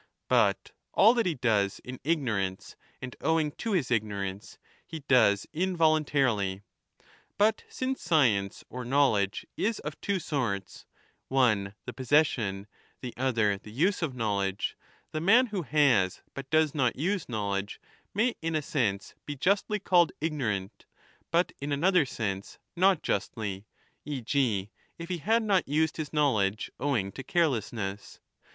But all that he 10 does in ignorance and owing to his ignorance, he does in voluntarily. But since science or knowledge is of two sorts, one the possession, the other the use of knowledge, the man who has, but does not use knowledge may in a sense be justly called ignorant, but in another sense not justly, e. g. if he had not used his knowledge owing to carelessness.